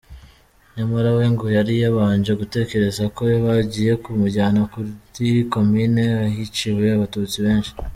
Nyamara we ngo yari yabanje gutekereza ko bagiye kumujyana kuri komine, ahiciwe Abatutsi benshi.